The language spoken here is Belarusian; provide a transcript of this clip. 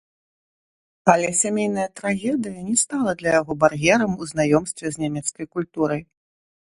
Але сямейная трагедыя не стала для яго бар'ерам у знаёмстве з нямецкай культурай.